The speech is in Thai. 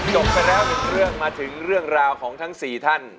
จบแล้วกันมาถึงเรื่องราวของทั้งสี่ท่าน